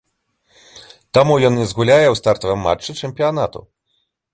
Таму ён не згуляе ў стартавым матчы чэмпіянату.